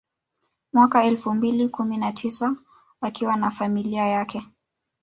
Mwaka elfu mbili kumi na tisa akiwa na familia yake